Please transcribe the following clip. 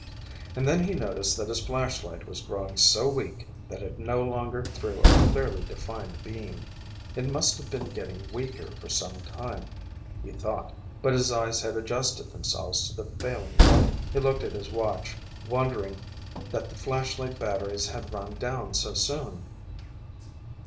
And then he noticed that his flashlight was growing so weak that it no longer threw a clearly defined beam. It must have been getting weaker for some time, he thought, but his eyes had adjusted themselves to the failing light. He looked at his watch, wondering that the flashlight batteries had run down so soon.